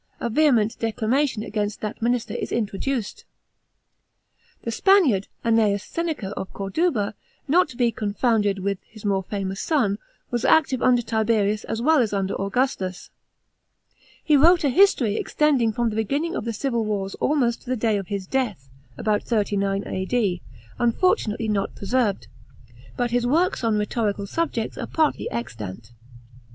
CHAP, xm, a vehement declamation against that minister is introduced. The Spaniard, ANN^EUS SENECA of Corduba, not to be confounded with his more famous son, was active under Tiberius as well as under Augustus. He wrote a history extending from the b< ginning of the civil wars almost to the day of his death (about 39 A.D.). unfortu nately not preserved ; but his works on rhetorical subjects are partly extant.